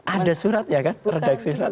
ada surat ya kan predaksi surat